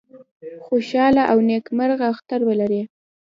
خوشاله او نیکمرغه اختر ولرئ